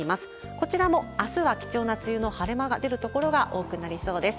こちらもあすは貴重な梅雨の晴れ間が出る所が多くなりそうです。